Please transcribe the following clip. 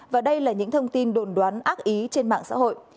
và đây là những thông tin đồn đoán ác ý trên mạng xã hội